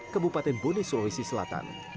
kebupaten boni sulawesi selatan